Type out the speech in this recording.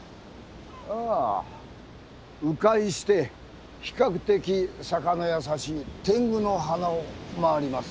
ああ迂回して比較的坂の優しい天狗の鼻を回ります。